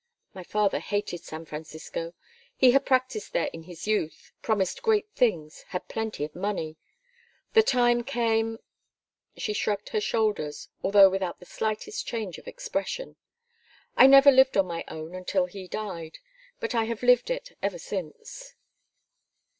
My father hated San Francisco. He had practised there in his youth, promised great things, had plenty of money. The time came " She shrugged her shoulders, although without the slightest change of expression. "I never lived my own life until he died, but I have lived it ever since."